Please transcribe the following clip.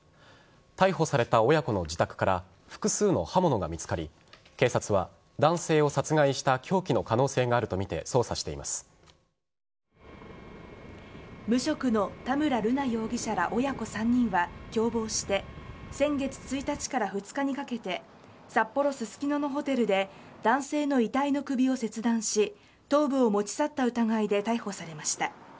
逮捕された親子の自宅から複数の刃物が見つかり警察は男性を殺害した凶器の可能性があるとみて無職の田村瑠奈容疑者ら親子３人は共謀して先月１日から２日にかけて札幌・ススキノのホテルで男性の遺体の首を切断し頭部を持ち去った疑いで逮捕されました。